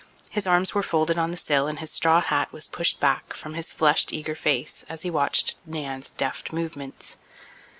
His arms were folded on the sill and his straw hat was pushed back from his flushed, eager face as he watched Nan's deft movements.